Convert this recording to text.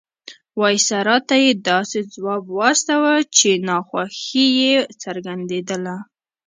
وایسرا ته یې داسې ځواب واستاوه چې ناخوښي یې څرګندېدله.